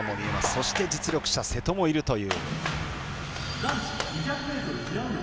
そして実力者、瀬戸もいるという。